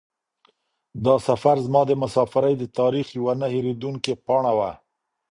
دا سفر زما د مسافرۍ د تاریخ یوه نه هېرېدونکې پاڼه وه.